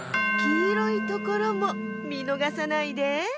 きいろいところもみのがさないで。